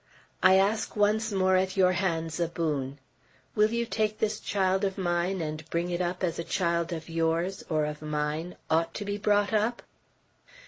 I ask once more at your hands a boon. Will you take this child of mine, and bring it up as a child of yours, or of mine, ought to be brought up?"